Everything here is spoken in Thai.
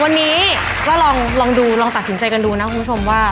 วันนี้ก็ลองดูลองตัดสินใจกันดูนะคุณผู้ชมว่า